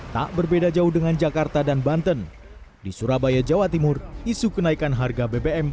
tak berbeda jauh dengan jakarta dan banten di surabaya jawa timur isu kenaikan harga bbm